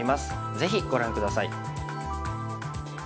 ぜひご覧下さい。